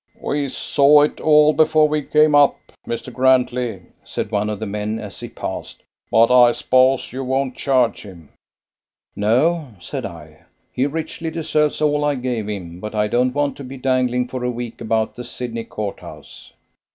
"We saw it all before we came up, Mr. Grantley," said one of the men as he passed, "but I s'pose you won't charge him." "No," said I. "He richly deserves all I gave him; but I don't want to be dangling for a week about the Sydney court house."